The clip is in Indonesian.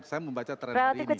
saya membaca tren hari ini